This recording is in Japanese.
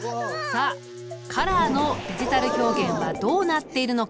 さあカラーのデジタル表現はどうなっているのか？